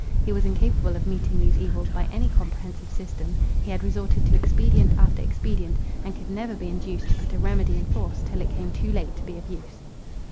He was incapable of meeting these evils by any comprehensive system; he had resorted to expedient after expedient, and could never be induced to put a remedy in force, till it came too late to be of use.